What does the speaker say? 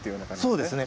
そうですね。